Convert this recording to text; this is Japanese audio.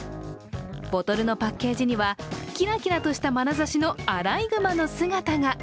ボトルのパッケージには、キラキラとしたまなざしのアライグマの姿が。